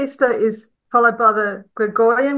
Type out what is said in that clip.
dikirip oleh kalender gregorian